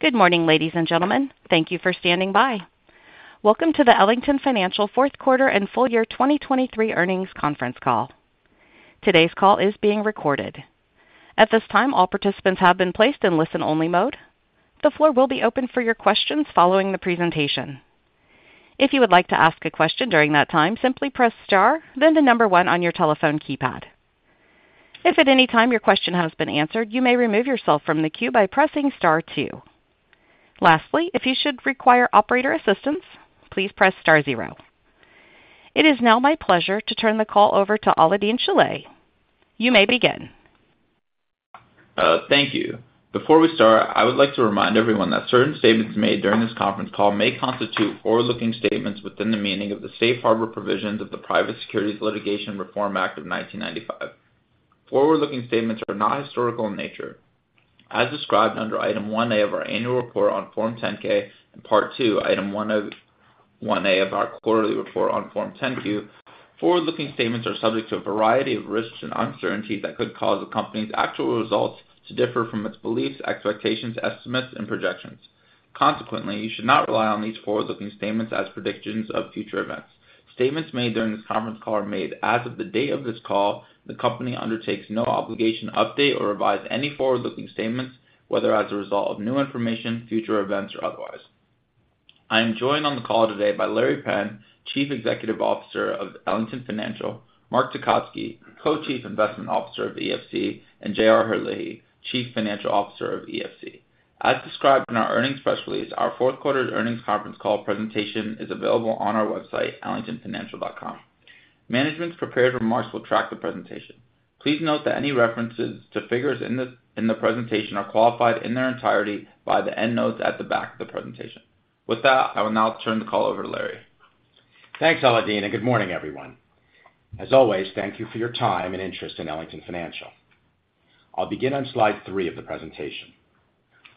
Good morning, ladies and gentlemen. Thank you for standing by. Welcome to the Ellington Financial Fourth Quarter and Full Year 2023 Earnings Conference Call. Today's call is being recorded. At this time, all participants have been placed in listen-only mode. The floor will be open for your questions following the presentation. If you would like to ask a question during that time, simply press star, then the number 1 on your telephone keypad. If at any time your question has been answered, you may remove yourself from the queue by pressing star 2. Lastly, if you should require operator assistance, please press star 0. It is now my pleasure to turn the call over to Alaael-Deen Shilleh. You may begin. Thank you. Before we start, I would like to remind everyone that certain statements made during this conference call may constitute forward-looking statements within the meaning of the Safe Harbor provisions of the Private Securities Litigation Reform Act of 1995. Forward-looking statements are not historical in nature. As described under Item 1A of our annual report on Form 10-K and Part II, Item 1A of our quarterly report on Form 10-Q, forward-looking statements are subject to a variety of risks and uncertainties that could cause a company's actual results to differ from its beliefs, expectations, estimates, and projections. Consequently, you should not rely on these forward-looking statements as predictions of future events. Statements made during this conference call are made as of the day of this call, and the company undertakes no obligation to update or revise any forward-looking statements, whether as a result of new information, future events, or otherwise. I am joined on the call today by Laurence Penn, Chief Executive Officer of Ellington Financial, Mark Tecotzky, Co-Chief Investment Officer of EFC, and J.R. Herlihy, Chief Financial Officer of EFC. As described in our earnings press release, our fourth quarter's earnings conference call presentation is available on our website, ellingtonfinancial.com. Management's prepared remarks will track the presentation. Please note that any references to figures in the presentation are qualified in their entirety by the end notes at the back of the presentation. With that, I will now turn the call over to Larry. Thanks, Alaael-Deen, and good morning, everyone. As always, thank you for your time and interest in Ellington Financial. I'll begin on Slide 3 of the presentation.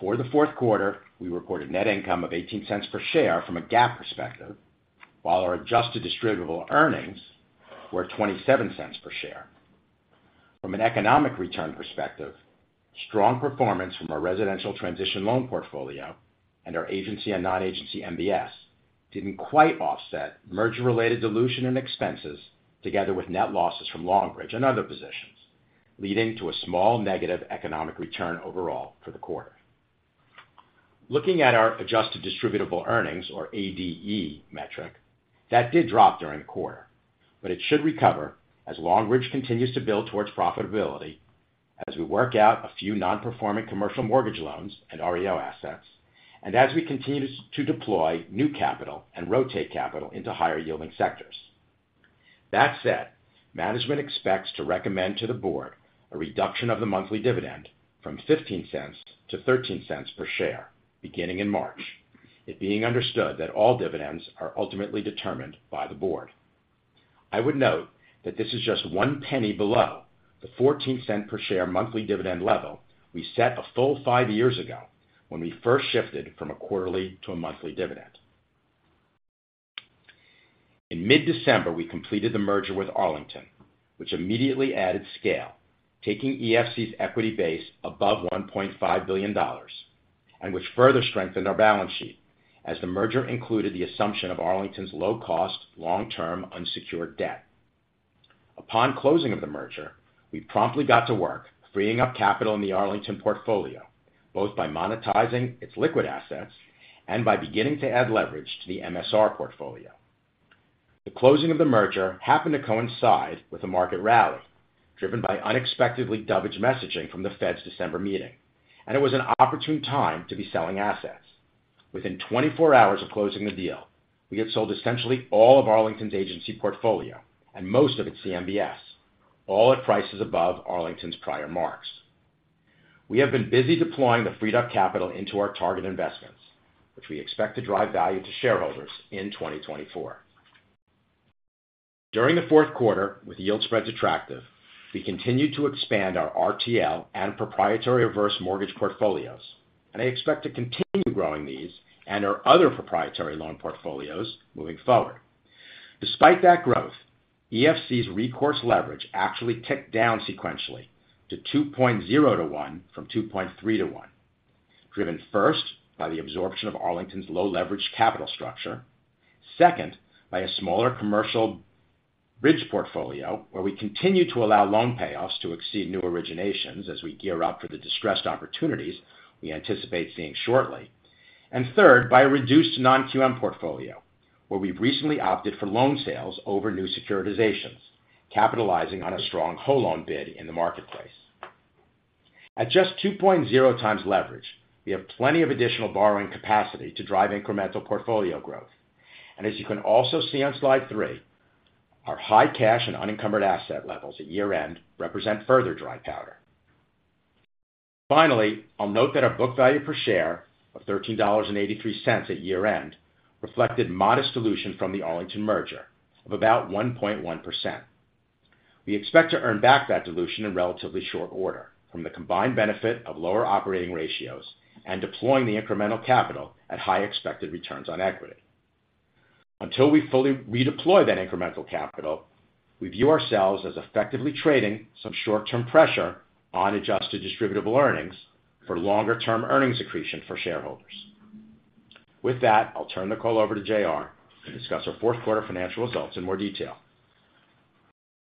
For the fourth quarter, we reported net income of $0.18 per share from a GAAP perspective, while our adjusted distributable earnings were $0.27 per share. From an economic return perspective, strong performance from our residential transition loan portfolio and our agency and non-agency MBS didn't quite offset merger-related dilution and expenses together with net losses from Longbridge and other positions, leading to a small negative economic return overall for the quarter. Looking at our adjusted distributable earnings, or ADE, metric, that did drop during the quarter, but it should recover as Longbridge continues to build towards profitability as we work out a few non-performing commercial mortgage loans and REO assets and as we continue to deploy new capital and rotate capital into higher-yielding sectors. That said, management expects to recommend to the board a reduction of the monthly dividend from $0.15 - $0.13 per share, beginning in March, it being understood that all dividends are ultimately determined by the board. I would note that this is just 1 penny below the $0.14 per share monthly dividend level we set a full 5 years ago when we first shifted from a quarterly to a monthly dividend. In mid-December, we completed the merger with Arlington, which immediately added scale, taking EFC's equity base above $1.5 billion, and which further strengthened our balance sheet as the merger included the assumption of Arlington's low-cost, long-term, unsecured debt. Upon closing of the merger, we promptly got to work freeing up capital in the Arlington portfolio, both by monetizing its liquid assets and by beginning to add leverage to the MSR portfolio. The closing of the merger happened to coincide with a market rally driven by unexpectedly dovish messaging from the Fed's December meeting, and it was an opportune time to be selling assets. Within 24 hours of closing the deal, we had sold essentially all of Arlington's agency portfolio and most of its CMBS, all at prices above Arlington's prior marks. We have been busy deploying the freed-up capital into our target investments, which we expect to drive value to shareholders in 2024. During the fourth quarter, with yield spreads attractive, we continued to expand our RTL and proprietary reverse mortgage portfolios, and I expect to continue growing these and our other proprietary loan portfolios moving forward. Despite that growth, EFC's recourse leverage actually ticked down sequentially to 2.0-to-1 from 2.3-to-1, driven first by the absorption of Arlington's low-leverage capital structure, second by a smaller commercial bridge portfolio where we continue to allow loan payoffs to exceed new originations as we gear up for the distressed opportunities we anticipate seeing shortly, and third by a reduced Non-QM portfolio where we've recently opted for loan sales over new securitizations, capitalizing on a strong whole-loan bid in the marketplace. At just 2.0x leverage, we have plenty of additional borrowing capacity to drive incremental portfolio growth, and as you can also see on slide three, our high cash and unencumbered asset levels at year-end represent further dry powder. Finally, I'll note that our book value per share of $13.83 at year-end reflected modest dilution from the Arlington merger of about 1.1%. We expect to earn back that dilution in relatively short order from the combined benefit of lower operating ratios and deploying the incremental capital at high expected returns on equity. Until we fully redeploy that incremental capital, we view ourselves as effectively trading some short-term pressure on adjusted distributable earnings for longer-term earnings accretion for shareholders. With that, I'll turn the call over to JR to discuss our fourth quarter financial results in more detail.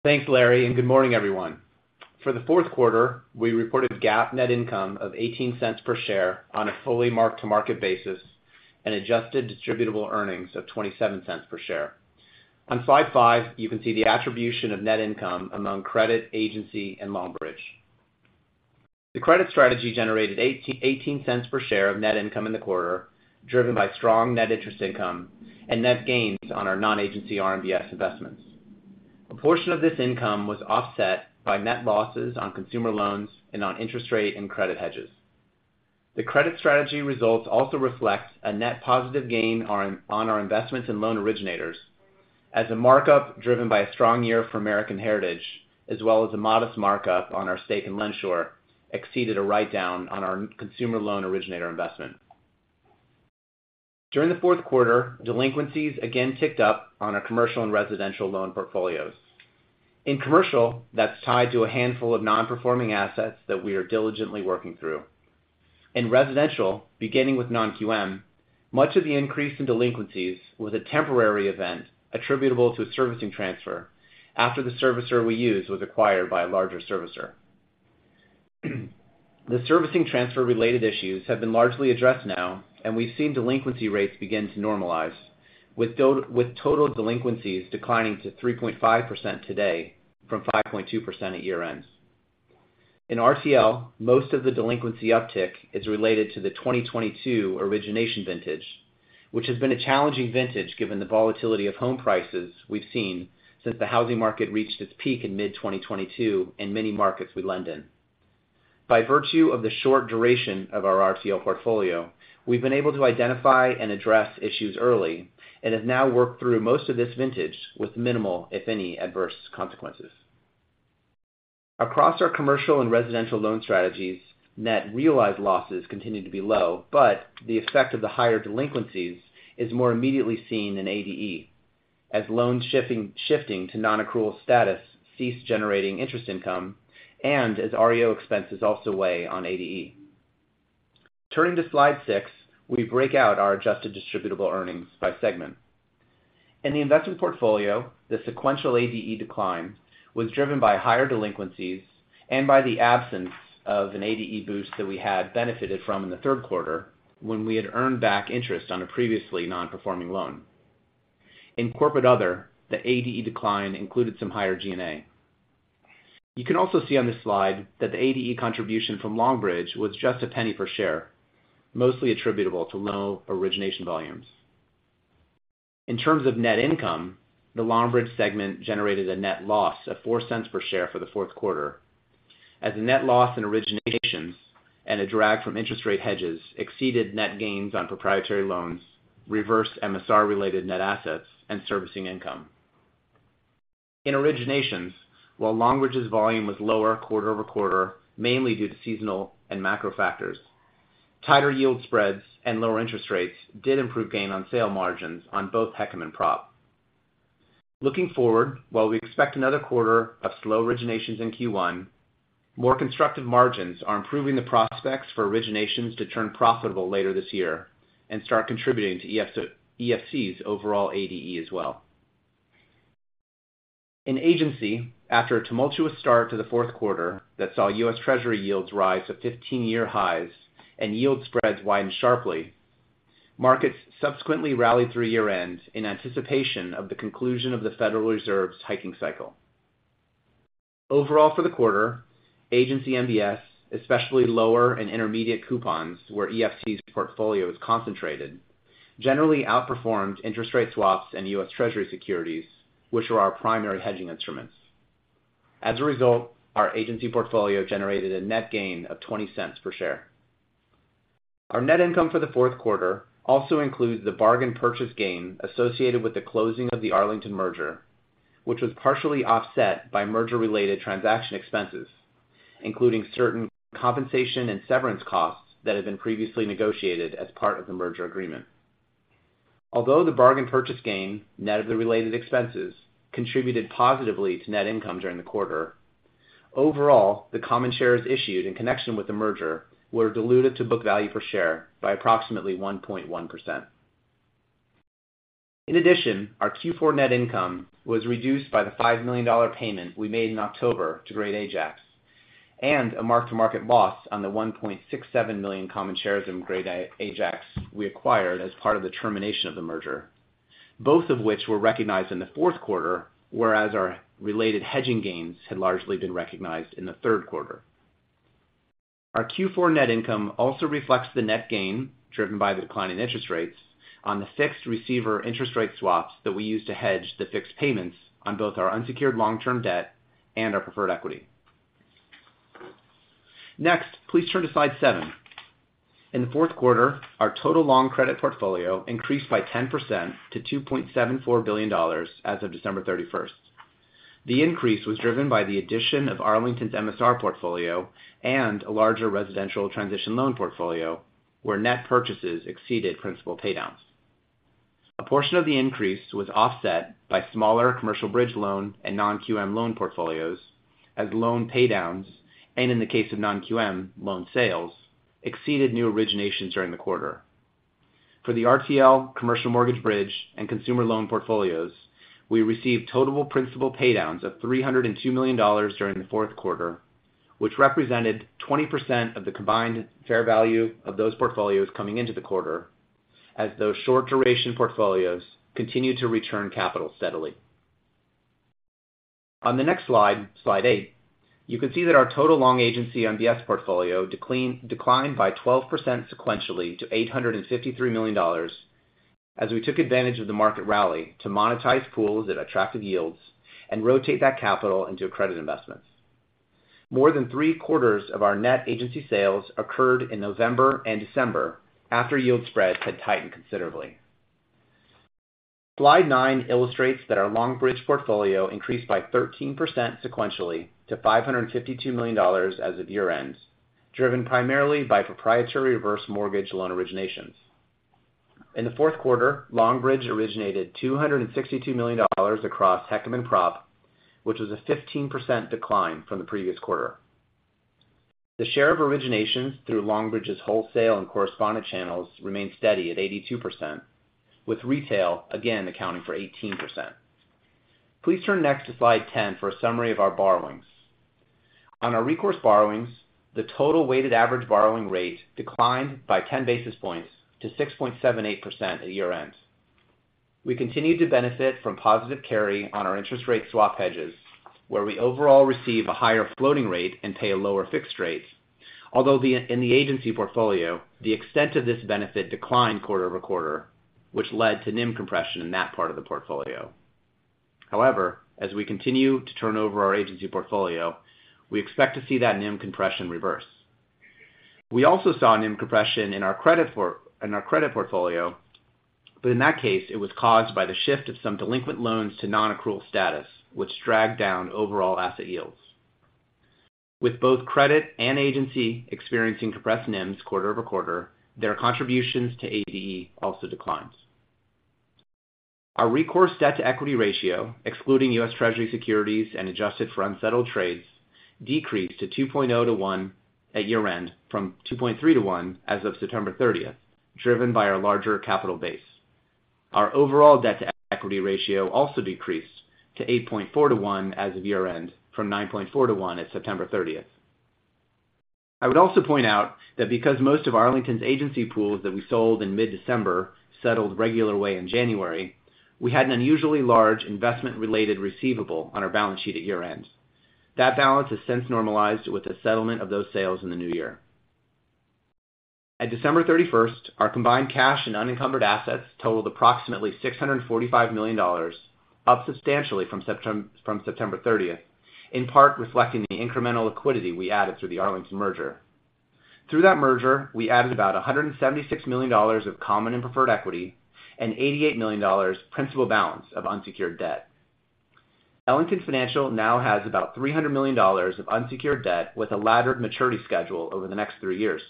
Thanks, Larry, and good morning, everyone. For the fourth quarter, we reported GAAP net income of $0.18 per share on a fully mark-to-market basis and adjusted distributable earnings of $0.27 per share. On Slide 5, you can see the attribution of net income among credit, agency, and Longbridge. The credit strategy generated $0.18 per share of net income in the quarter, driven by strong net interest income and net gains on our non-agency RMBS investments. A portion of this income was offset by net losses on consumer loans and on interest rate and credit hedges. The credit strategy results also reflect a net positive gain on our investments in loan originators as a markup driven by a strong year for American Heritage, as well as a modest markup on our stake in LendSure exceeded a write-down on our consumer loan originator investment. During the fourth quarter, delinquencies again ticked up on our commercial and residential loan portfolios. In commercial, that's tied to a handful of non-performing assets that we are diligently working through. In residential, beginning with Non-QM, much of the increase in delinquencies was a temporary event attributable to a servicing transfer after the servicer we use was acquired by a larger servicer. The servicing transfer-related issues have been largely addressed now, and we've seen delinquency rates begin to normalize, with total delinquencies declining to 3.5% today from 5.2% at year-end. In RTL, most of the delinquency uptick is related to the 2022 origination vintage, which has been a challenging vintage given the volatility of home prices we've seen since the housing market reached its peak in mid-2022 in many markets we lend in. By virtue of the short duration of our RTL portfolio, we've been able to identify and address issues early and have now worked through most of this vintage with minimal, if any, adverse consequences. Across our commercial and residential loan strategies, net realized losses continue to be low, but the effect of the higher delinquencies is more immediately seen in ADE as loans shifting to non-accrual status cease generating interest income and as REO expenses also weigh on ADE. Turning to Slide 6, we break out our adjusted distributable earnings by segment. In the investment portfolio, the sequential ADE decline was driven by higher delinquencies and by the absence of an ADE boost that we had benefited from in the third quarter when we had earned back interest on a previously non-performing loan. In corporate other, the ADE decline included some higher G&A. You can also see on this slide that the ADE contribution from Longbridge was just $0.01 per share, mostly attributable to low origination volumes. In terms of net income, the Longbridge segment generated a net loss of $0.04 per share for the fourth quarter as the net loss in originations and a drag from interest rate hedges exceeded net gains on proprietary loans, reverse MSR-related net assets, and servicing income. In originations, while Longbridge's volume was lower quarter-over-quarter, mainly due to seasonal and macro factors, tighter yield spreads and lower interest rates did improve gain on sale margins on both HECM and prop. Looking forward, while we expect another quarter of slow originations in Q1, more constructive margins are improving the prospects for originations to turn profitable later this year and start contributing to EFC's overall ADE as well. In agency, after a tumultuous start to the fourth quarter that saw U.S. Treasury yields rise to 15-year highs and yield spreads widen sharply, markets subsequently rallied through year-end in anticipation of the conclusion of the Federal Reserve's hiking cycle. Overall for the quarter, Agency MBS, especially lower and intermediate coupons where EFC's portfolio is concentrated, generally outperformed interest rate swaps and U.S. Treasury securities, which are our primary hedging instruments. As a result, our agency portfolio generated a net gain of $0.20 per share. Our net income for the fourth quarter also includes the bargain purchase gain associated with the closing of the Arlington merger, which was partially offset by merger-related transaction expenses, including certain compensation and severance costs that have been previously negotiated as part of the merger agreement. Although the Bargain Purchase Gain, net of the related expenses, contributed positively to net income during the quarter, overall, the common shares issued in connection with the merger were diluted to book value per share by approximately 1.1%. In addition, our Q4 net income was reduced by the $5 million payment we made in October to Great Ajax and a mark-to-market loss on the 1.67 million common shares in Great Ajax we acquired as part of the termination of the merger, both of which were recognized in the fourth quarter, whereas our related hedging gains had largely been recognized in the third quarter. Our Q4 net income also reflects the net gain driven by the declining interest rates on the fixed receiver interest rate swaps that we use to hedge the fixed payments on both our unsecured long-term debt and our preferred equity. Next, please turn to Slide 7. In the fourth quarter, our total long credit portfolio increased by 10% to $2.74 billion as of December 31st. The increase was driven by the addition of Arlington's MSR portfolio and a larger residential transition loan portfolio, where net purchases exceeded principal paydowns. A portion of the increase was offset by smaller commercial bridge loan and non-QM loan portfolios as loan paydowns and, in the case of non-QM, loan sales exceeded new originations during the quarter. For the RTL, commercial mortgage bridge, and consumer loan portfolios, we received total principal paydowns of $302 million during the fourth quarter, which represented 20% of the combined fair value of those portfolios coming into the quarter as those short-duration portfolios continued to return capital steadily. On the next slide, Slide 8, you can see that our total long agency MBS portfolio declined by 12% sequentially to $853 million as we took advantage of the market rally to monetize pools at attractive yields and rotate that capital into credit investments. More than three-quarters of our net agency sales occurred in November and December after yield spreads had tightened considerably. Slide 9 illustrates that our Longbridge portfolio increased by 13% sequentially to $552 million as of year-end, driven primarily by proprietary reverse mortgage loan originations. In the fourth quarter, Longbridge originated $262 million across HECM and prop, which was a 15% decline from the previous quarter. The share of originations through Longbridge's wholesale and correspondent channels remained steady at 82%, with retail again accounting for 18%. Please turn next to Slide 10 for a summary of our borrowings. On our recourse borrowings, the total weighted average borrowing rate declined by 10 basis points to 6.78% at year-end. We continued to benefit from positive carry on our interest rate swap hedges, where we overall receive a higher floating rate and pay a lower fixed rate, although in the agency portfolio, the extent of this benefit declined quarter-over-quarter, which led to NIM compression in that part of the portfolio. However, as we continue to turn over our agency portfolio, we expect to see that NIM compression reverse. We also saw NIM compression in our credit portfolio, but in that case, it was caused by the shift of some delinquent loans to non-accrual status, which dragged down overall asset yields. With both credit and agency experiencing compressed NIMs quarter-over-quarter, their contributions to ADE also declined. Our recourse debt-to-equity ratio, excluding U.S. Treasury securities and adjusted for unsettled trades, decreased to 2.0 to 1 at year-end from 2.3 to 1 as of September 30th, driven by our larger capital base. Our overall debt-to-equity ratio also decreased to 8.4 to 1 as of year-end from 9.4 to 1 at September 30th. I would also point out that because most of Arlington's agency pools that we sold in mid-December settled regular way in January, we had an unusually large investment-related receivable on our balance sheet at year-end. That balance has since normalized with the settlement of those sales in the new year. At December 31st, our combined cash and unencumbered assets totaled approximately $645 million, up substantially from September 30th, in part reflecting the incremental liquidity we added through the Arlington merger. Through that merger, we added about $176 million of common and preferred equity and $88 million principal balance of unsecured debt. Ellington Financial now has about $300 million of unsecured debt with a laddered maturity schedule over the next three years.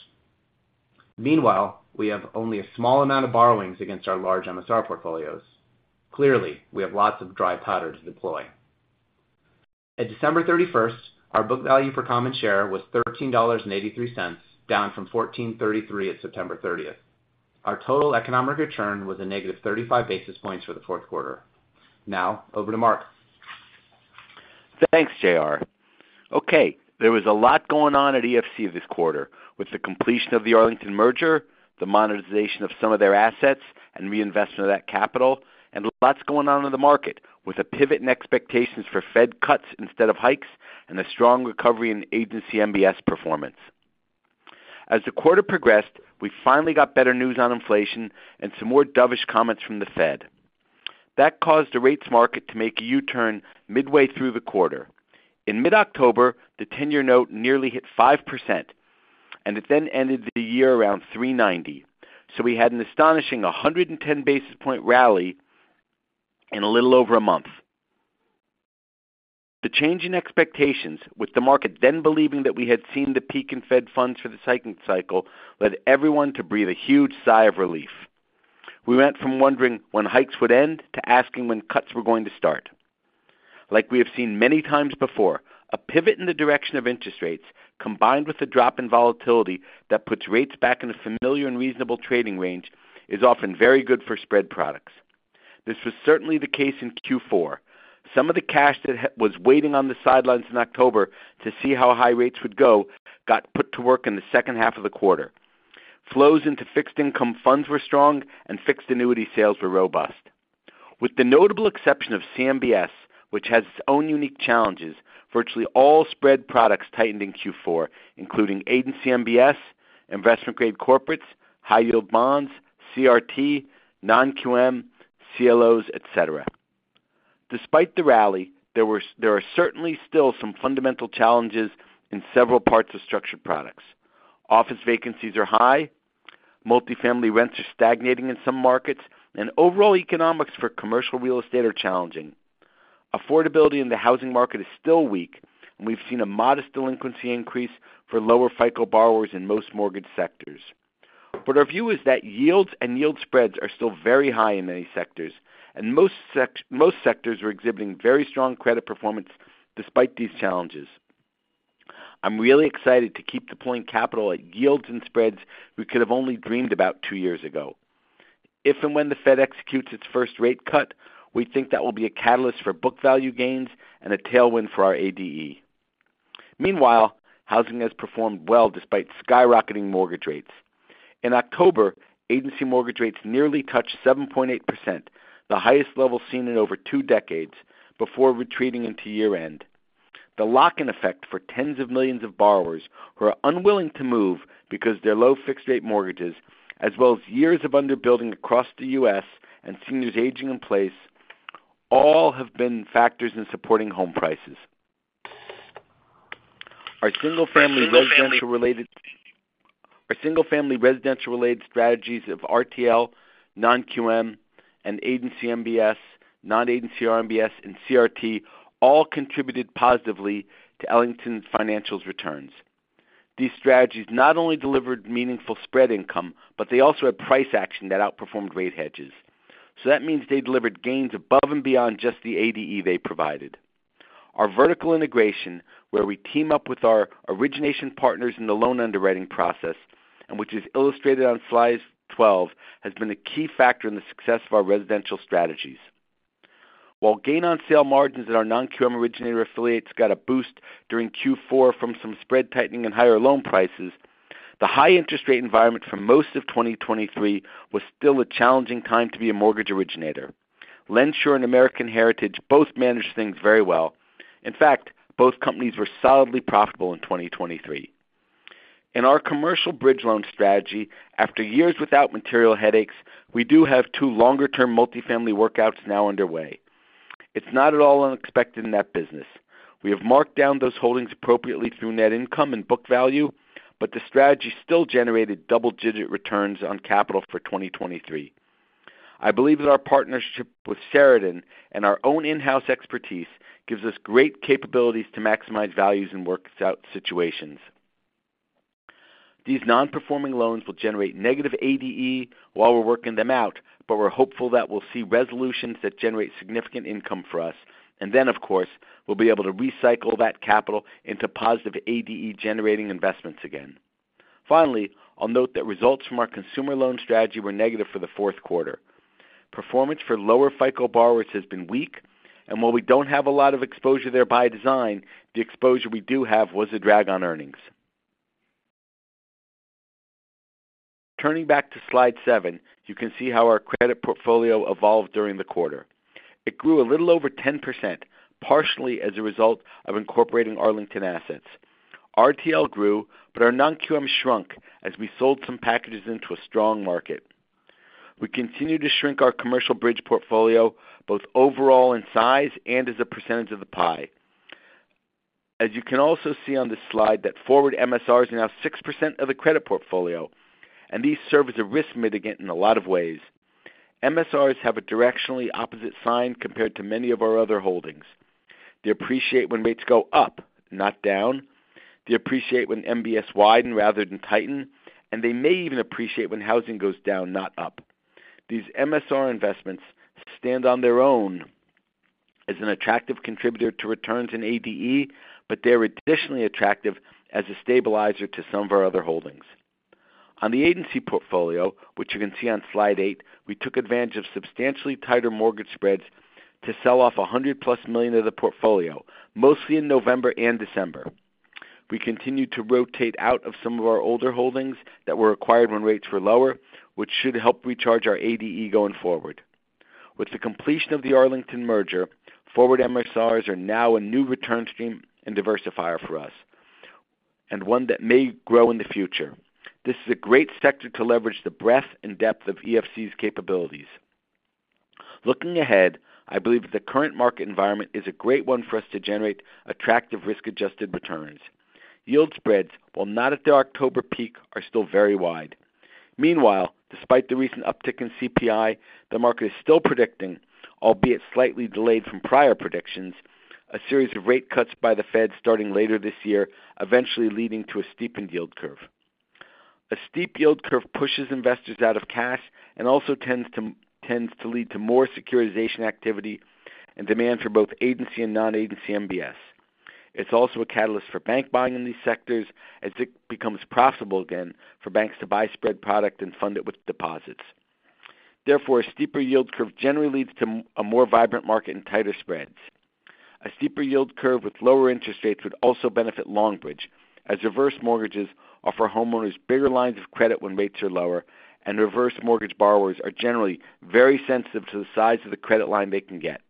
Meanwhile, we have only a small amount of borrowings against our large MSR portfolios. Clearly, we have lots of dry powder to deploy. At December 31st, our book value per common share was $13.83, down from $14.33 at September 30th. Our total economic return was a negative 35 basis points for the fourth quarter. Now, over to Mark. Thanks, JR. Okay, there was a lot going on at EFC this quarter with the completion of the Arlington merger, the monetization of some of their assets, and reinvestment of that capital, and lots going on in the market with a pivot in expectations for Fed cuts instead of hikes and a strong recovery in Agency MBS performance. As the quarter progressed, we finally got better news on inflation and some more dovish comments from the Fed. That caused the rates market to make a U-turn midway through the quarter. In mid-October, the 10-year note nearly hit 5%, and it then ended the year around 390, so we had an astonishing 110 basis point rally in a little over a month. The change in expectations, with the market then believing that we had seen the peak in Fed funds for the hiking cycle, led everyone to breathe a huge sigh of relief. We went from wondering when hikes would end to asking when cuts were going to start. Like we have seen many times before, a pivot in the direction of interest rates combined with a drop in volatility that puts rates back in a familiar and reasonable trading range is often very good for spread products. This was certainly the case in Q4. Some of the cash that was waiting on the sidelines in October to see how high rates would go got put to work in the second half of the quarter. Flows into fixed income funds were strong, and fixed annuity sales were robust. With the notable exception of CMBS, which has its own unique challenges, virtually all spread products tightened in Q4, including agency MBS, investment-grade corporates, high-yield bonds, CRT, non-QM, CLOs, etc. Despite the rally, there are certainly still some fundamental challenges in several parts of structured products. Office vacancies are high, multifamily rents are stagnating in some markets, and overall economics for commercial real estate are challenging. Affordability in the housing market is still weak, and we've seen a modest delinquency increase for lower FICO borrowers in most mortgage sectors. But our view is that yields and yield spreads are still very high in many sectors, and most sectors are exhibiting very strong credit performance despite these challenges. I'm really excited to keep deploying capital at yields and spreads we could have only dreamed about two years ago. If and when the Fed executes its first rate cut, we think that will be a catalyst for book value gains and a tailwind for our ADE. Meanwhile, housing has performed well despite skyrocketing mortgage rates. In October, agency mortgage rates nearly touched 7.8%, the highest level seen in over two decades, before retreating into year-end. The lock-in effect for tens of millions of borrowers who are unwilling to move because of their low fixed-rate mortgages, as well as years of underbuilding across the U.S. and seniors aging in place, all have been factors in supporting home prices. Our single-family residential-related strategies of RTL, non-QM, and agency MBS, non-agency RMBS, and CRT all contributed positively to Ellington Financial's returns. These strategies not only delivered meaningful spread income, but they also had price action that outperformed rate hedges. So that means they delivered gains above and beyond just the ADE they provided. Our vertical integration, where we team up with our origination partners in the loan underwriting process and which is illustrated on Slide 12, has been a key factor in the success of our residential strategies. While gain-on-sale margins at our non-QM originator affiliates got a boost during Q4 from some spread tightening and higher loan prices, the high interest rate environment for most of 2023 was still a challenging time to be a mortgage originator. LendSure and American Heritage both managed things very well. In fact, both companies were solidly profitable in 2023. In our commercial bridge loan strategy, after years without material headaches, we do have two longer-term multifamily workouts now underway. It's not at all unexpected in that business. We have marked down those holdings appropriately through net income and book value, but the strategy still generated double-digit returns on capital for 2023. I believe that our partnership with Sheridan and our own in-house expertise gives us great capabilities to maximize values in workout situations. These non-performing loans will generate negative ADE while we're working them out, but we're hopeful that we'll see resolutions that generate significant income for us and then, of course, we'll be able to recycle that capital into positive ADE-generating investments again. Finally, I'll note that results from our consumer loan strategy were negative for the fourth quarter. Performance for lower FICO borrowers has been weak, and while we don't have a lot of exposure there by design, the exposure we do have was a drag on earnings. Turning back to Slide 7, you can see how our credit portfolio evolved during the quarter. It grew a little over 10%, partially as a result of incorporating Arlington assets. RTL grew, but our non-QM shrunk as we sold some packages into a strong market. We continue to shrink our commercial bridge portfolio, both overall in size and as a percentage of the pie. As you can also see on this slide, that forward MSR is now 6% of the credit portfolio, and these serve as a risk mitigant in a lot of ways. MSRs have a directionally opposite sign compared to many of our other holdings. They appreciate when rates go up, not down. They appreciate when MBS widen rather than tighten, and they may even appreciate when housing goes down, not up. These MSR investments stand on their own as an attractive contributor to returns in ADE, but they're additionally attractive as a stabilizer to some of our other holdings. On the agency portfolio, which you can see on Slide 8, we took advantage of substantially tighter mortgage spreads to sell off $100+ million of the portfolio, mostly in November and December. We continued to rotate out of some of our older holdings that were acquired when rates were lower, which should help recharge our ADE going forward. With the completion of the Arlington merger, forward MSRs are now a new return stream and diversifier for us, and one that may grow in the future. This is a great sector to leverage the breadth and depth of EFC's capabilities. Looking ahead, I believe that the current market environment is a great one for us to generate attractive risk-adjusted returns. Yield spreads, while not at their October peak, are still very wide. Meanwhile, despite the recent uptick in CPI, the market is still predicting, albeit slightly delayed from prior predictions, a series of rate cuts by the Fed starting later this year, eventually leading to a steepened yield curve. A steep yield curve pushes investors out of cash and also tends to lead to more securitization activity and demand for both agency and non-agency MBS. It's also a catalyst for bank buying in these sectors as it becomes profitable again for banks to buy spread product and fund it with deposits. Therefore, a steeper yield curve generally leads to a more vibrant market and tighter spreads. A steeper yield curve with lower interest rates would also benefit Longbridge, as reverse mortgages offer homeowners bigger lines of credit when rates are lower, and reverse mortgage borrowers are generally very sensitive to the size of the credit line they can get.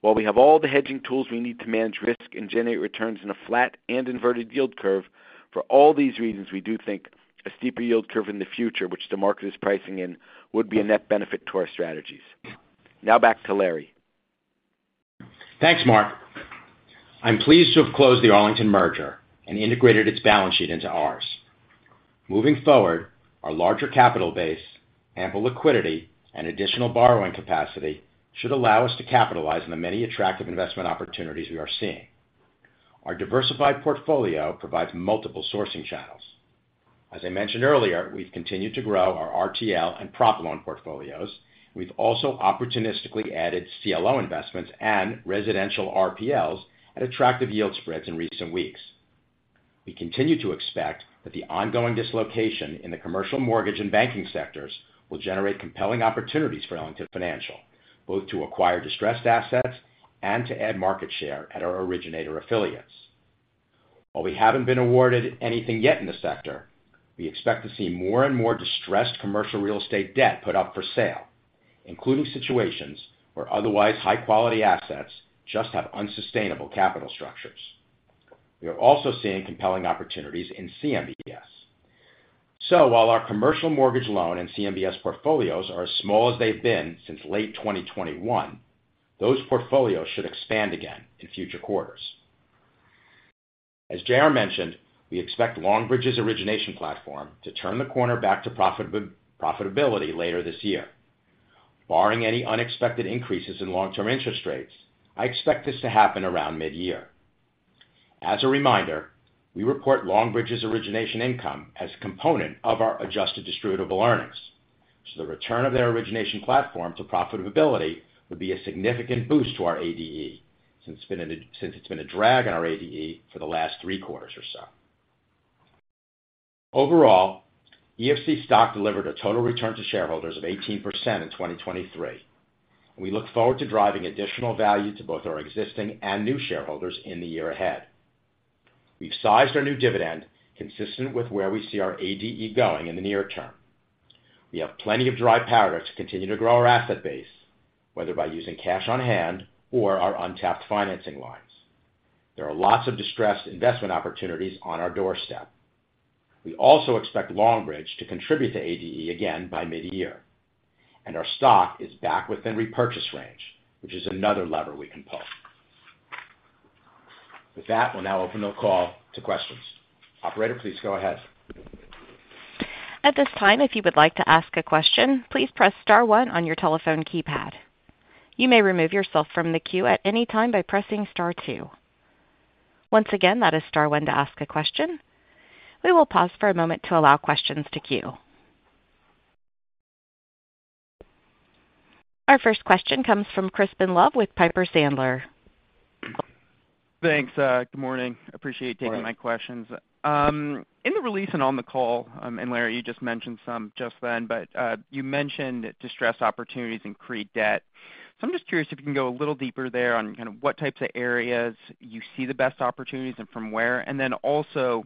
While we have all the hedging tools we need to manage risk and generate returns in a flat and inverted yield curve, for all these reasons, we do think a steeper yield curve in the future, which the market is pricing in, would be a net benefit to our strategies. Now back to Larry. Thanks, Mark. I'm pleased to have closed the Arlington merger and integrated its balance sheet into ours. Moving forward, our larger capital base, ample liquidity, and additional borrowing capacity should allow us to capitalize on the many attractive investment opportunities we are seeing. Our diversified portfolio provides multiple sourcing channels. As I mentioned earlier, we've continued to grow our RTL and prop loan portfolios. We've also opportunistically added CLO investments and residential RPLs at attractive yield spreads in recent weeks. We continue to expect that the ongoing dislocation in the commercial mortgage and banking sectors will generate compelling opportunities for Ellington Financial, both to acquire distressed assets and to add market share at our originator affiliates. While we haven't been awarded anything yet in the sector, we expect to see more and more distressed commercial real estate debt put up for sale, including situations where otherwise high-quality assets just have unsustainable capital structures. We are also seeing compelling opportunities in CMBS. So while our commercial mortgage loan and CMBS portfolios are as small as they've been since late 2021, those portfolios should expand again in future quarters. As J.R. mentioned, we expect Longbridge's origination platform to turn the corner back to profitability later this year. Barring any unexpected increases in long-term interest rates, I expect this to happen around mid-year. As a reminder, we report Longbridge's origination income as a component of our adjusted distributable earnings, so the return of their origination platform to profitability would be a significant boost to our ADE since it's been a drag on our ADE for the last three quarters or so. Overall, EFC stock delivered a total return to shareholders of 18% in 2023, and we look forward to driving additional value to both our existing and new shareholders in the year ahead. We've sized our new dividend consistent with where we see our ADE going in the near term. We have plenty of dry powder to continue to grow our asset base, whether by using cash on hand or our untapped financing lines. There are lots of distressed investment opportunities on our doorstep. We also expect Longbridge to contribute to ADE again by mid-year, and our stock is back within repurchase range, which is another lever we can pull. With that, we'll now open the call to questions. Operator, please go ahead. At this time, if you would like to ask a question, please press star 1 on your telephone keypad. You may remove yourself from the queue at any time by pressing star 2. Once again, that is star 1 to ask a question. We will pause for a moment to allow questions to queue. Our first question comes from Crispin Love with Piper Sandler. Thanks. Good morning. Appreciate taking my questions. In the release and on the call, and Larry, you just mentioned some just then, but you mentioned distressed opportunities in CRE debt. So I'm just curious if you can go a little deeper there on kind of what types of areas you see the best opportunities and from where, and then also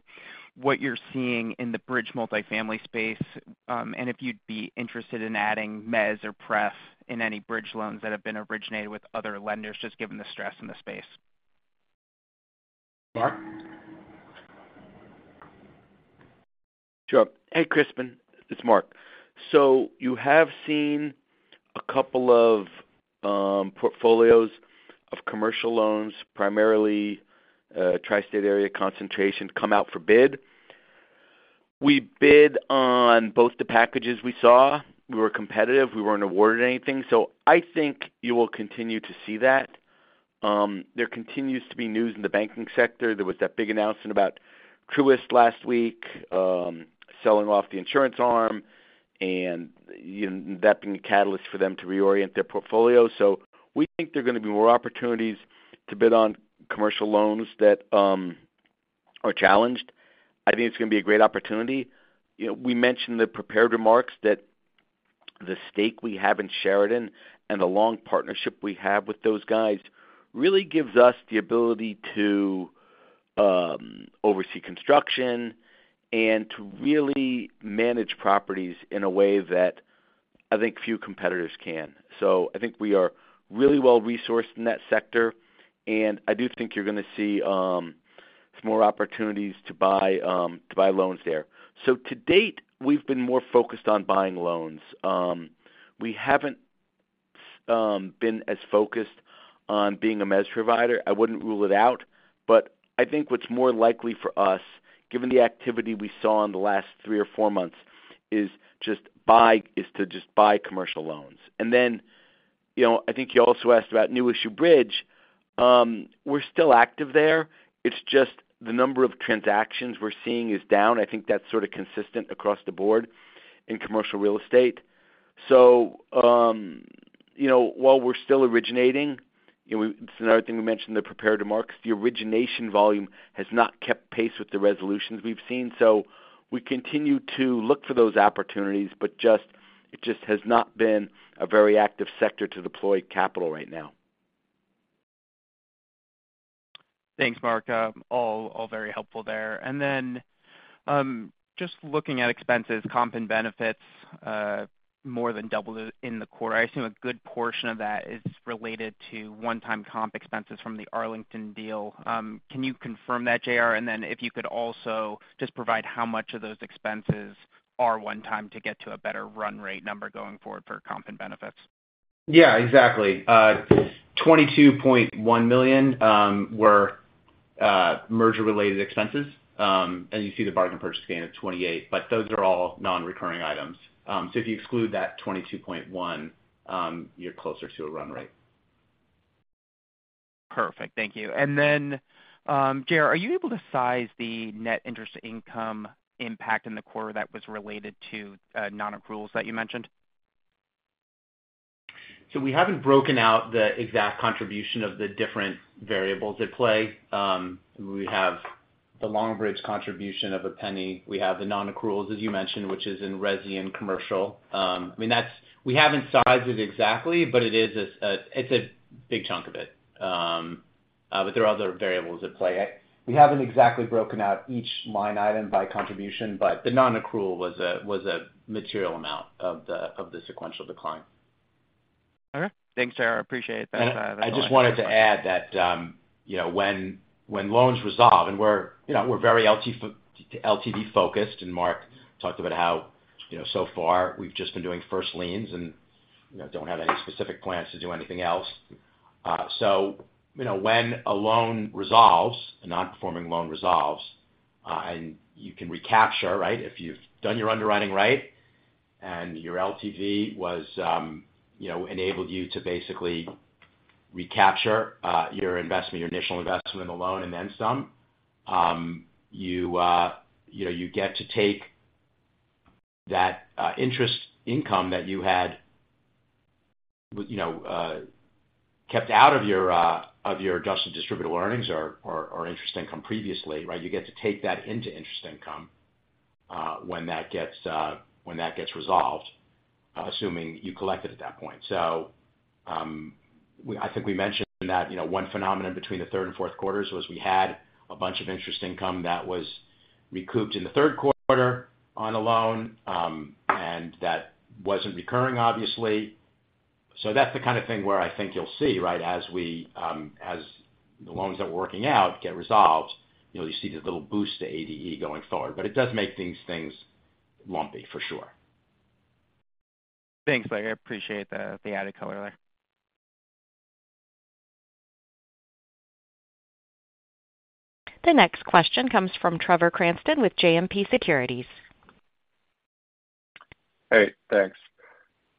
what you're seeing in the bridge multifamily space and if you'd be interested in adding Mezz or Pref in any bridge loans that have been originated with other lenders, just given the stress in the space. Mark? Sure. Hey, Crispin. It's Mark. So you have seen a couple of portfolios of commercial loans, primarily tri-state area concentration, come out for bid. We bid on both the packages we saw. We were competitive. We weren't awarded anything. So I think you will continue to see that. There continues to be news in the banking sector. There was that big announcement about Truist last week selling off the insurance arm and that being a catalyst for them to reorient their portfolio. So we think there are going to be more opportunities to bid on commercial loans that are challenged. I think it's going to be a great opportunity. We mentioned the prepared remarks that the stake we have in Sheridan and the long partnership we have with those guys really gives us the ability to oversee construction and to really manage properties in a way that I think few competitors can. So I think we are really well-resourced in that sector, and I do think you're going to see some more opportunities to buy loans there. So to date, we've been more focused on buying loans. We haven't been as focused on being a Mezz provider. I wouldn't rule it out, but I think what's more likely for us, given the activity we saw in the last three or four months, is to just buy commercial loans. And then I think you also asked about new issue bridge. We're still active there. It's just the number of transactions we're seeing is down. I think that's sort of consistent across the board in commercial real estate. So while we're still originating, it's another thing we mentioned, the prepared remarks. The origination volume has not kept pace with the resolutions we've seen. So we continue to look for those opportunities, but it just has not been a very active sector to deploy capital right now. Thanks, Mark. All very helpful there. And then just looking at expenses, comp and benefits more than doubled in the quarter. I assume a good portion of that is related to one-time comp expenses from the Arlington deal. Can you confirm that, J.R.? And then if you could also just provide how much of those expenses are one-time to get to a better run rate number going forward for comp and benefits. Yeah, exactly. $22.1 million were merger-related expenses, and you see the bargain purchase gain of $28 million, but those are all non-recurring items. So if you exclude that $22.1 million, you're closer to a run rate. Perfect. Thank you. And then, J.R., are you able to size the net interest income impact in the quarter that was related to non-accruals that you mentioned? So we haven't broken out the exact contribution of the different variables at play. We have the Longbridge contribution of $0.01. We have the non-accruals, as you mentioned, which is in res and commercial. I mean, we haven't sized it exactly, but it's a big chunk of it. But there are other variables at play. We haven't exactly broken out each line item by contribution, but the non-accrual was a material amount of the sequential decline. All right. Thanks, JR. Appreciate that. I just wanted to add that when loans resolve and we're very LTV-focused, and Mark talked about how so far we've just been doing first liens and don't have any specific plans to do anything else. So when a loan resolves, a non-performing loan resolves, and you can recapture, right, if you've done your underwriting right and your LTV was enabled you to basically recapture your initial investment in the loan and then some, you get to take that interest income that you had kept out of your adjusted distributable earnings or interest income previously, right? You get to take that into interest income when that gets resolved, assuming you collected at that point. So I think we mentioned that one phenomenon between the third and fourth quarters was we had a bunch of interest income that was recouped in the third quarter on a loan and that wasn't recurring, obviously. So that's the kind of thing where I think you'll see, right, as the loans that we're working out get resolved, you see this little boost to ADE going forward. But it does make things lumpy, for sure. Thanks, Larry. I appreciate the added color there. The next question comes from Trevor Cranston with JMP Securities. Hey. Thanks.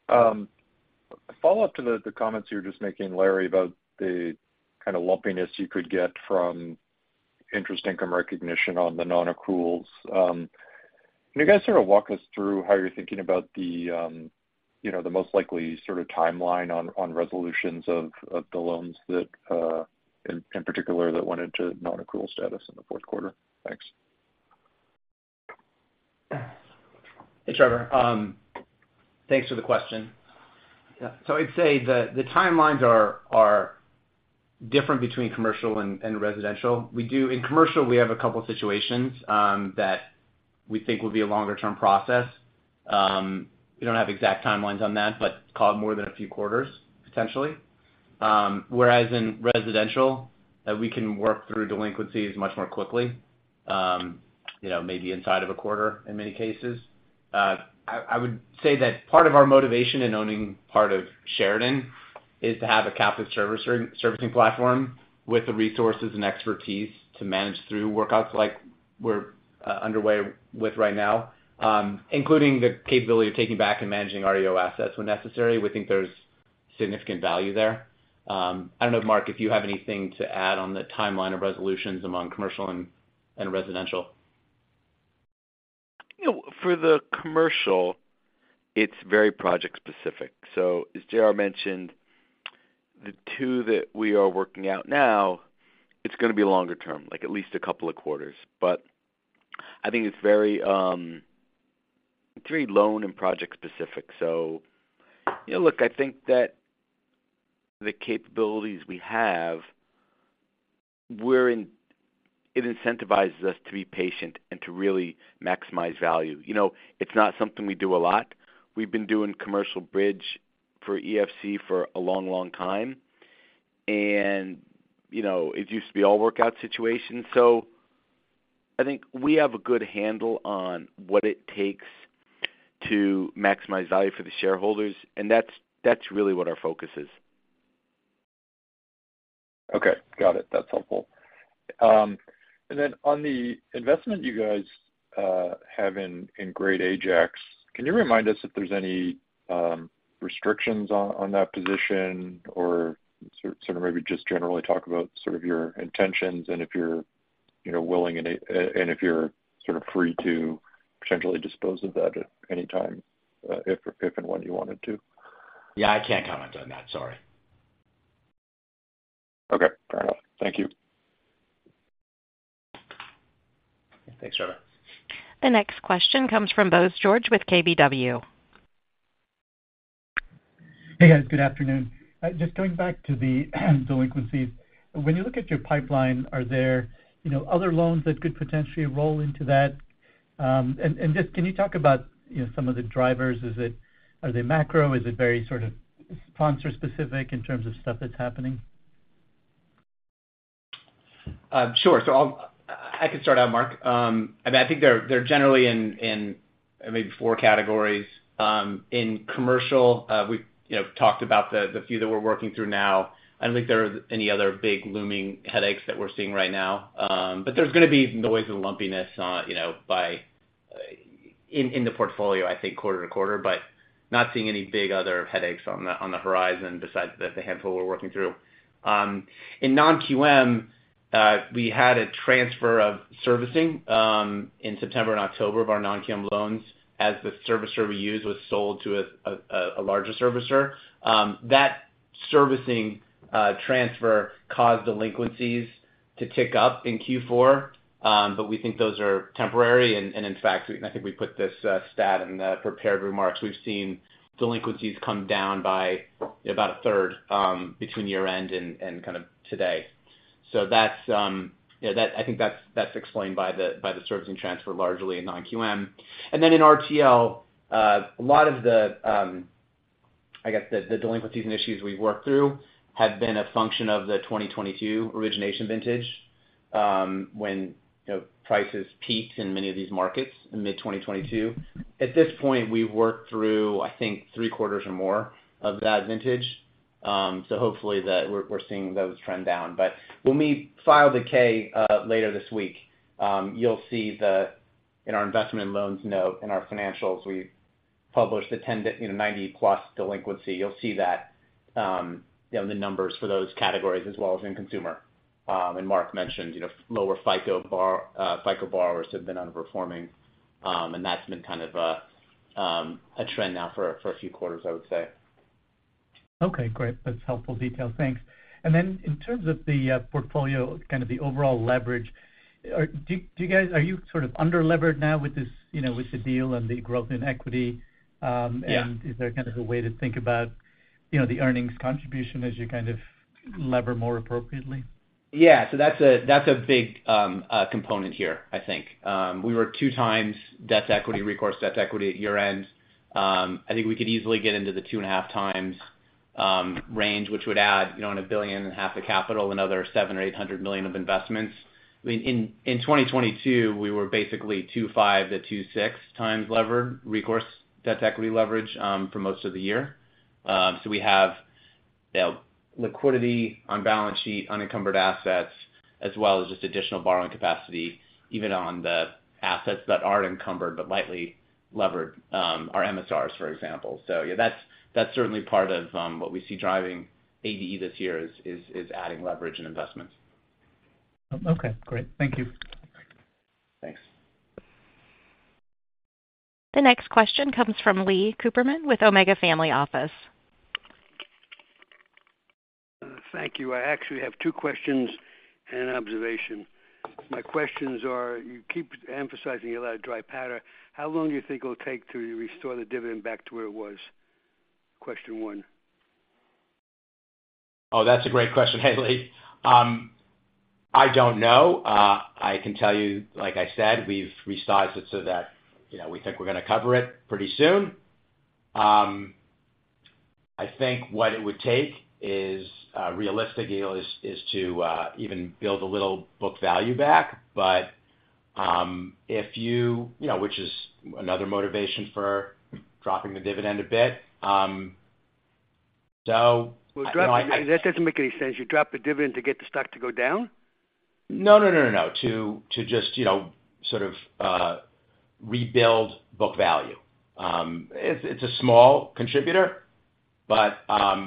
Follow up to the comments you were just making, Larry, about the kind of lumpiness you could get from interest income recognition on the non-accruals. Can you guys sort of walk us through how you're thinking about the most likely sort of timeline on resolutions of the loans, in particular, that went into non-accrual status in the fourth quarter? Thanks. Hey, Trevor. Thanks for the question. So I'd say the timelines are different between commercial and residential. In commercial, we have a couple of situations that we think will be a longer-term process. We don't have exact timelines on that, but call it more than a few quarters, potentially. Whereas in residential, we can work through delinquencies much more quickly, maybe inside of a quarter in many cases. I would say that part of our motivation in owning part of Sheridan is to have a captive servicing platform with the resources and expertise to manage through workouts like we're underway with right now, including the capability of taking back and managing REO assets when necessary. We think there's significant value there. I don't know, Mark, if you have anything to add on the timeline of resolutions among commercial and residential. For the commercial, it's very project-specific. So as JR mentioned, the two that we are working out now, it's going to be longer-term, at least a couple of quarters. But I think it's very loan and project-specific. So look, I think that the capabilities we have, it incentivizes us to be patient and to really maximize value. It's not something we do a lot. We've been doing commercial bridge for EFC for a long, long time, and it used to be all workout situations. So I think we have a good handle on what it takes to maximize value for the shareholders, and that's really what our focus is. Okay. Got it. That's helpful. And then on the investment you guys have in Great Ajax, can you remind us if there's any restrictions on that position or sort of maybe just generally talk about sort of your intentions and if you're willing and if you're sort of free to potentially dispose of that at any time, if and when you wanted to? Yeah. I can't comment on that. Sorry. Okay. Fair enough. Thank you. Thanks, Trevor. The next question comes from Bose George with KBW. Hey, guys. Good afternoon. Just going back to the delinquencies. When you look at your pipeline, are there other loans that could potentially roll into that? And just can you talk about some of the drivers? Are they macro? Is it very sort of sponsor-specific in terms of stuff that's happening? Sure. So I could start out, Mark. I mean, I think they're generally in maybe four categories. In commercial, we've talked about the few that we're working through now. I don't think there are any other big looming headaches that we're seeing right now. But there's going to be noise and lumpiness in the portfolio, I think, quarter to quarter, but not seeing any big other headaches on the horizon besides the handful we're working through. In non-QM, we had a transfer of servicing in September and October of our non-QM loans as the servicer we used was sold to a larger servicer. That servicing transfer caused delinquencies to tick up in Q4, but we think those are temporary. And in fact, I think we put this stat in the prepared remarks. We've seen delinquencies come down by about a third between year-end and kind of today. So I think that's explained by the servicing transfer largely in non-QM. And then in RTL, a lot of the, I guess, the delinquencies and issues we've worked through have been a function of the 2022 origination vintage when prices peaked in many of these markets in mid-2022. At this point, we've worked through, I think, three-quarters or more of that vintage. So hopefully, we're seeing those trend down. But when we file the K later this week, you'll see in our investment and loans note, in our financials, we published the 90+ delinquency. You'll see the numbers for those categories as well as in consumer. And Mark mentioned lower FICO borrowers have been underperforming, and that's been kind of a trend now for a few quarters, I would say. Okay. Great. That's helpful detail. Thanks. And then in terms of the portfolio, kind of the overall leverage, are you sort of underlevered now with the deal and the growth in equity? And is there kind of a way to think about the earnings contribution as you kind of lever more appropriately? Yeah. So that's a big component here, I think. We were 2x recourse debt-to-equity at year-end. I think we could easily get into the 2.5x range, which would add, on $1.5 billion of capital, another $700 million-$800 million of investments. I mean, in 2022, we were basically 2.5x-2.6x levered, recourse debt-to-equity leverage, for most of the year. So we have liquidity on balance sheet, unencumbered assets, as well as just additional borrowing capacity, even on the assets that aren't encumbered but lightly levered, our MSRs, for example. So yeah, that's certainly part of what we see driving ADE this year is adding leverage and investments. Okay. Great. Thank you. Thanks. The next question comes from Leon Cooperman with Omega Family Office. Thank you. I actually have two questions and an observation. My questions are you keep emphasizing you'll have a dry pattern. How long do you think it'll take to restore the dividend back to where it was? Question one. Oh, that's a great question. Hey, Lee. I don't know. I can tell you, like I said, we've resized it so that we think we're going to cover it pretty soon. I think what it would take, realistically, is to even build a little book value back, but if you, which is another motivation for dropping the dividend a bit. So, I know. I know. Well, that doesn't make any sense. You drop the dividend to get the stock to go down? No, no, no, no, no. To just sort of rebuild book value. It's a small contributor, but I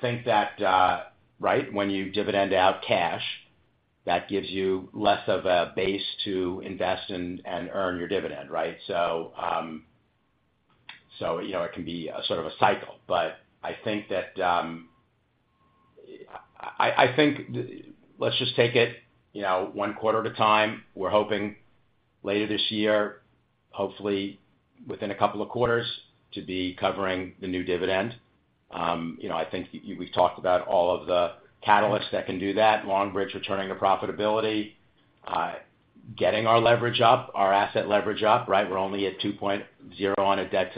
think that, right, when you dividend out cash, that gives you less of a base to invest and earn your dividend, right? So it can be sort of a cycle. But I think, let's just take it one quarter at a time. We're hoping later this year, hopefully within a couple of quarters, to be covering the new dividend. I think we've talked about all of the catalysts that can do that, Longbridge returning to profitability, getting our asset leverage up, right? We're only at 2.0 on a debt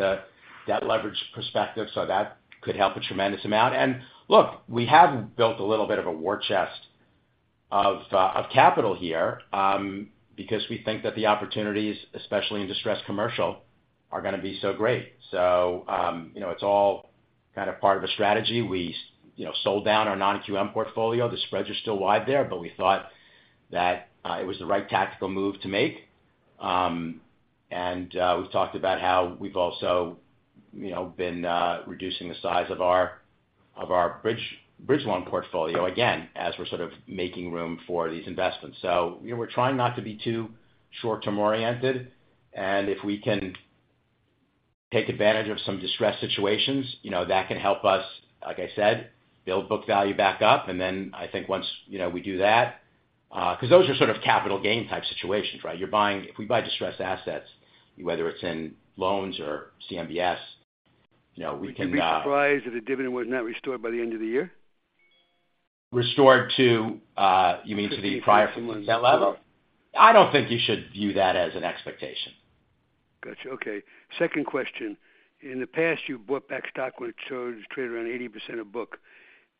leverage perspective, so that could help a tremendous amount. And look, we have built a little bit of a war chest of capital here because we think that the opportunities, especially in distressed commercial, are going to be so great. So it's all kind of part of a strategy. We sold down our non-QM portfolio. The spreads are still wide there, but we thought that it was the right tactical move to make. And we've talked about how we've also been reducing the size of our bridge loan portfolio, again, as we're sort of making room for these investments. So we're trying not to be too short-term oriented. And if we can take advantage of some distressed situations, that can help us, like I said, build book value back up. And then I think once we do that because those are sort of capital gain type situations, right? If we buy distressed assets, whether it's in loans or CMBS, we can. Would you be surprised if the dividend was not restored by the end of the year? Restored to, you mean, to the prior that level? I don't think you should view that as an expectation. Gotcha. Okay. Second question. In the past, you've bought back stock when it showed it was traded around 80% of book.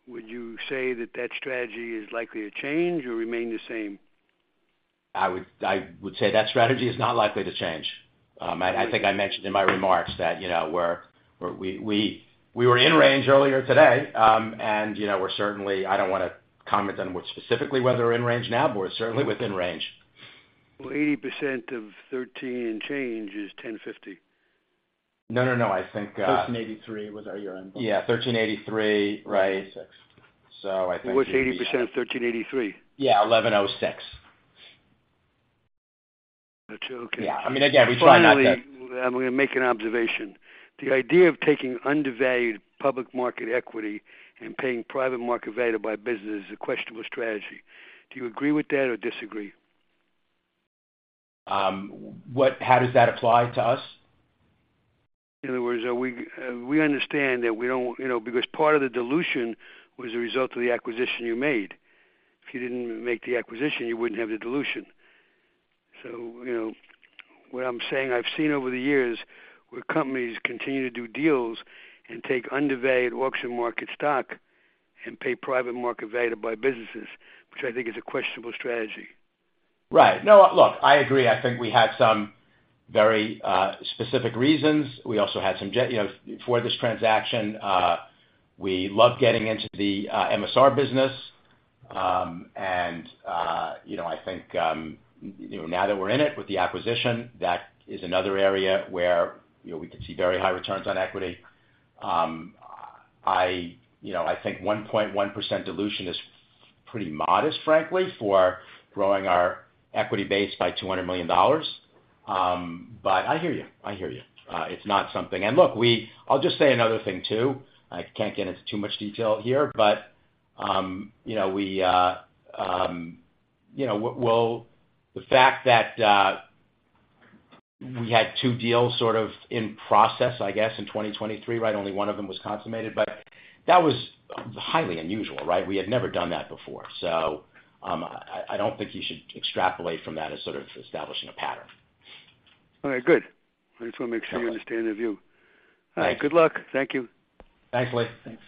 Would you say that that strategy is likely to change or remain the same? I would say that strategy is not likely to change. I think I mentioned in my remarks that we were in range earlier today, and we're certainly, I don't want to comment on specifically whether we're in range now, but we're certainly within range. Well, 80% of 13 and change is $1050. No, no, no. I think. $1383 was our year-end. Yeah. $1383, right. I think. What's 80% of $1383? Yeah. $1106. Gotcha. Okay. Yeah. I mean, again, we try not to. Finally, I'm going to make an observation. The idea of taking undervalued public market equity and paying private market value to buy business is a questionable strategy. Do you agree with that or disagree? How does that apply to us? In other words, we understand that we don't because part of the dilution was a result of the acquisition you made. If you didn't make the acquisition, you wouldn't have the dilution. So what I'm saying, I've seen over the years where companies continue to do deals and take undervalued auction market stock and pay private market value to buy businesses, which I think is a questionable strategy. Right. No, look, I agree. I think we had some very specific reasons. We also had some for this transaction; we love getting into the MSR business. And I think now that we're in it with the acquisition, that is another area where we could see very high returns on equity. I think 1.1% dilution is pretty modest, frankly, for growing our equity base by $200 million. But I hear you. I hear you. It's not something and look, I'll just say another thing too. I can't get into too much detail here, but the fact that we had two deals sort of in process, I guess, in 2023, right, only one of them was consummated, but that was highly unusual, right? We had never done that before. So I don't think you should extrapolate from that as sort of establishing a pattern. All right. Good. I just want to make sure you understand their view. All right. Good luck. Thank you. Thanks, Lee. Thanks.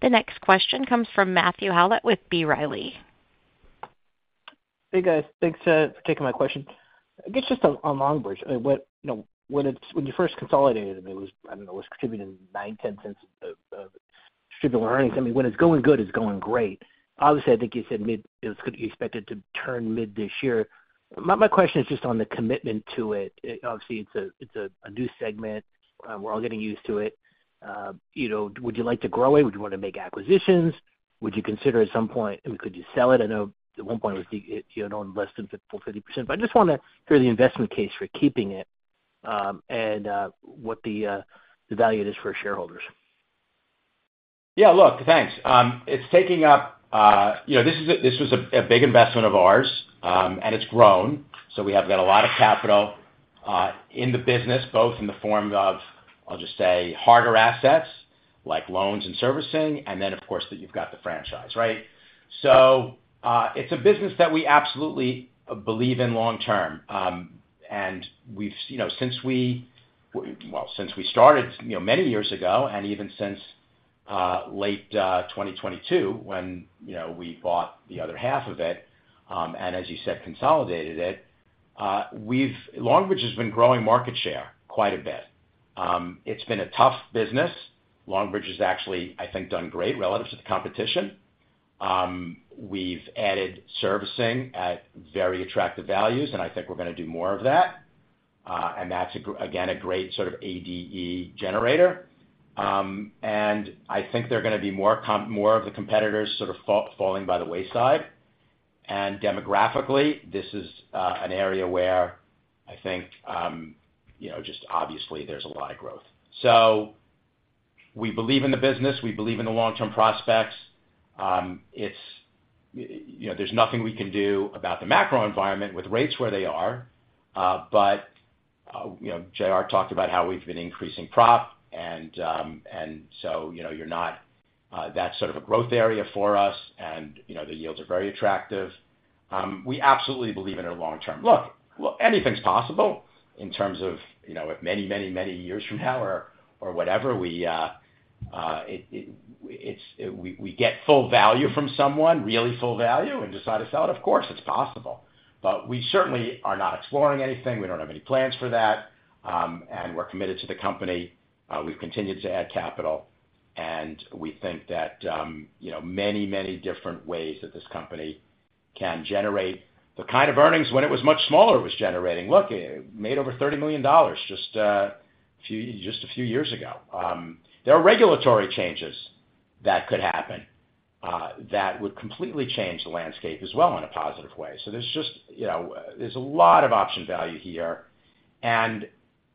The next question comes from Matthew Howlett with B. Riley. Hey, guys. Thanks for taking my question. I guess just on Longbridge, when you first consolidated, I don't know, it was contributing $0.09-$0.10 of distributable earnings. I mean, when it's going good, it's going great. Obviously, I think you said you expected it to turn mid this year. My question is just on the commitment to it. Obviously, it's a new segment. We're all getting used to it. Would you like to grow it? Would you want to make acquisitions? Would you consider at some point, I mean, could you sell it? I know at one point it was on less than 40%, but I just want to hear the investment case for keeping it and what the value it is for shareholders. Yeah. Look, thanks. It's taken up. This was a big investment of ours, and it's grown. So we have got a lot of capital in the business, both in the form of, I'll just say, hard assets like loans and servicing, and then, of course, that you've got the franchise, right? So it's a business that we absolutely believe in long-term. And since we, well, since we started many years ago and even since late 2022 when we bought the other half of it and, as you said, consolidated it, Longbridge has been growing market share quite a bit. It's been a tough business. Longbridge has actually, I think, done great relative to the competition. We've added servicing at very attractive values, and I think we're going to do more of that. And that's, again, a great sort of ADE generator. I think there are going to be more of the competitors sort of falling by the wayside. Demographically, this is an area where I think, just obviously, there's a lot of growth. We believe in the business. We believe in the long-term prospects. There's nothing we can do about the macro environment with rates where they are. But J.R. talked about how we've been increasing prop, and so that's sort of a growth area for us, and the yields are very attractive. We absolutely believe in it long-term. Look, anything's possible in terms of if many, many, many years from now or whatever, we get full value from someone, really full value, and decide to sell it. Of course, it's possible. But we certainly are not exploring anything. We don't have any plans for that. We're committed to the company. We've continued to add capital. We think that many, many different ways that this company can generate the kind of earnings when it was much smaller, it was generating. Look, it made over $30 million just a few years ago. There are regulatory changes that could happen that would completely change the landscape as well in a positive way. So there's just a lot of option value here.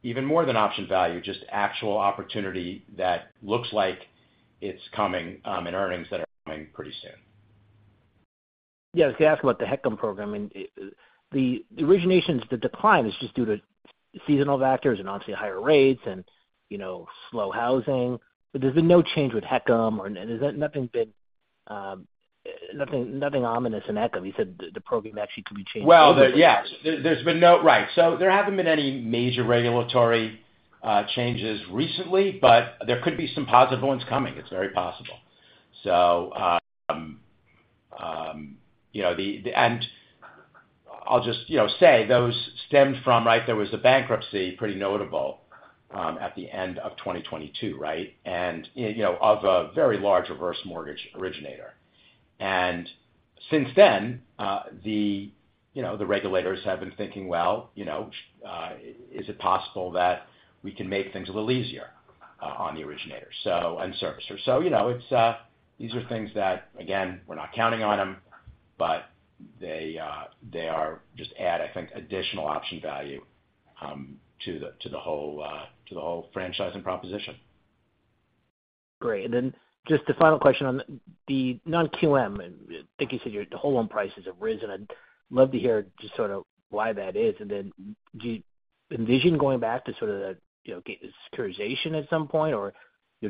Even more than option value, just actual opportunity that looks like it's coming and earnings that are coming pretty soon. Yeah. I was going to ask about the HECM program. I mean, the originations, the decline is just due to seasonal factors and obviously higher rates and slow housing. But there's been no change with HECM, or nothing ominous in HECM. You said the program actually could be changed. Well, yes. There's been none, right. So there haven't been any major regulatory changes recently, but there could be some positive ones coming. It's very possible. And I'll just say those stemmed from, right, there was a bankruptcy pretty notable at the end of 2022, right, of a very large reverse mortgage originator. And since then, the regulators have been thinking, "Well, is it possible that we can make things a little easier on the originator and servicer?" So these are things that, again, we're not counting on them, but they just add, I think, additional option value to the whole franchising proposition. Great. And then just a final question on the non-QM. I think you said your whole loan prices have risen. I'd love to hear just sort of why that is. And then do you envision going back to sort of the securitization at some point or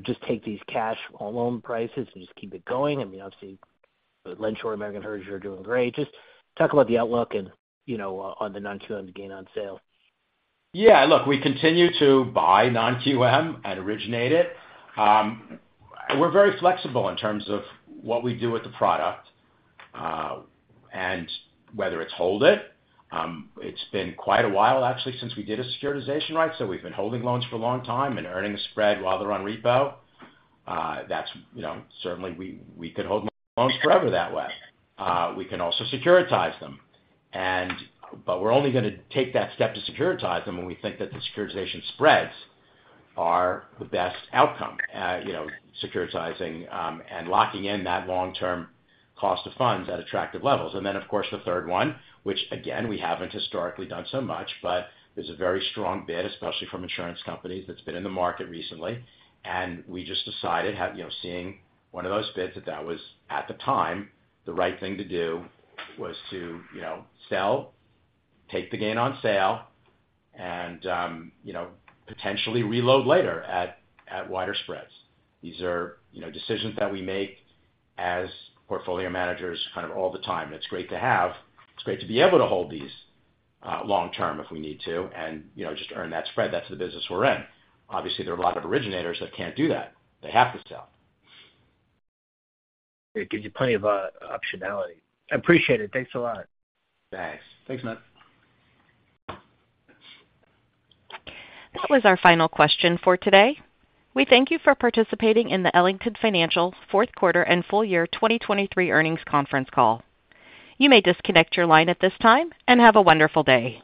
just take these cash whole loan prices and just keep it going? I mean, obviously, LendSure and American Heritage are doing great. Just talk about the outlook on the non-QM gain on sale. Yeah. Look, we continue to buy non-QM and originate it. We're very flexible in terms of what we do with the product and whether it's hold it. It's been quite a while, actually, since we did a securitization, right? So we've been holding loans for a long time and earning a spread while they're on repo. Certainly, we could hold loans forever that way. We can also securitize them. But we're only going to take that step to securitize them when we think that the securitization spreads are the best outcome. Securitizing and locking in that long-term cost of funds at attractive levels. And then, of course, the third one, which, again, we haven't historically done so much, but there's a very strong bid, especially from insurance companies, that's been in the market recently. We just decided, seeing one of those bids, that that was, at the time, the right thing to do was to sell, take the gain on sale, and potentially reload later at wider spreads. These are decisions that we make as portfolio managers kind of all the time. It's great to have. It's great to be able to hold these long-term if we need to and just earn that spread. That's the business we're in. Obviously, there are a lot of originators that can't do that. They have to sell. It gives you plenty of optionality. I appreciate it. Thanks a lot. Thanks. Thanks, Matt. That was our final question for today. We thank you for participating in the Ellington Financial Fourth Quarter and Full Year 2023 Earnings Conference Call. You may disconnect your line at this time and have a wonderful day.